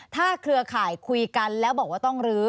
ถ้าเครือข่ายคุยกันแล้วบอกว่าต้องลื้อ